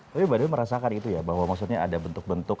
tapi baru merasakan gitu ya bahwa maksudnya ada bentuk bentuk